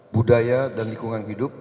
budaya dan lingkungan hidup